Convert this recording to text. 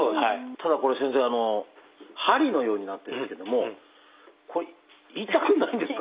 ただこれ先生針のようになってるんですけどもこれ痛くないんですか？